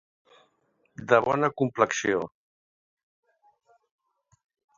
De bona complexió.